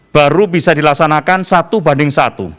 baru bisa dilaksanakan satu banding satu